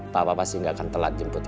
papa pasti gak akan telat jemputnya